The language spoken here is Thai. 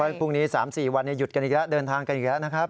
พรุ่งนี้๓๔วันหยุดกันอีกแล้วเดินทางกันอีกแล้วนะครับ